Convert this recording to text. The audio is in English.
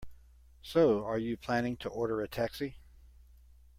So, are you planning to order a taxi?